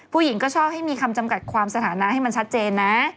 ผู้หญิงก็ชอบให้มีคำจำกัดความสถานะให้มันชัดเจนนะ